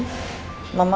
mama belum berjalan